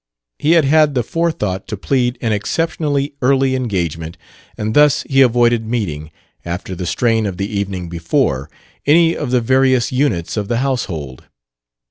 He had had the forethought to plead an exceptionally early engagement, and thus he avoided meeting, after the strain of the evening before, any of the various units of the household.